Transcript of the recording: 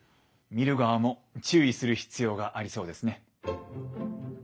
見る側も注意する必要がありそうですね。